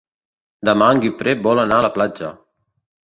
Demà en Guifré vol anar a la platja.